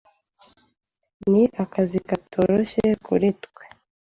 Ni akazi katoroshye kuri twe.